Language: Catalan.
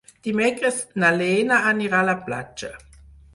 Dimecres na Lena anirà a la platja.